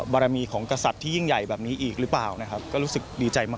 บรรามีของกษัตริย์ที่ยิ่งใหญ่แบบนี้อีกหรือเปล่านะครับ